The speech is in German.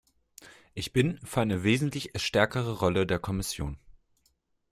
Ich bin für eine wesentlich stärkere Rolle der Kommission.